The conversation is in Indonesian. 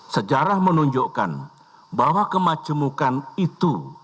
sejarah menunjukkan bahwa kemajemukan itu